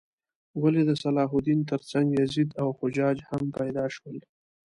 ولې د صلاح الدین تر څنګ یزید او حجاج هم پیدا شول؟